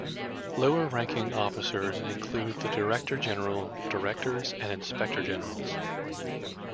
Lower ranking officers include the director general, directors and inspector generals.